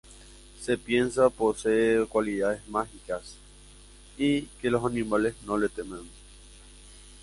Se piensa posee cualidades mágicas y que los animales no le temen.